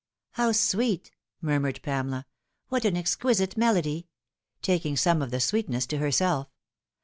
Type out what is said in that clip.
" How sweet I" murmured Pamela ;" what an exquisite melody !" taking some of the sweetness to herself.